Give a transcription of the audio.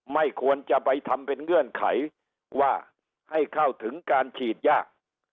ไม่ควรจะไปทำเป็นเงื่อนไขว่าให้เข้าถึงการฉีดยาก